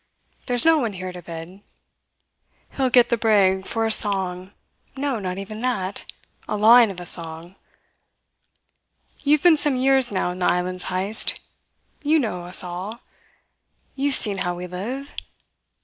There's no one here to bid. He will get the brig for a song no, not even that a line of a song. You have been some years now in the islands, Heyst. You know us all; you have seen how we live.